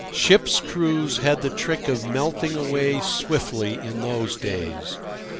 Ships' crews had the trick of melting away swiftly in those days.